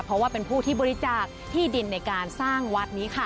เพราะว่าเป็นผู้ที่บริจาคที่ดินในการสร้างวัดนี้ค่ะ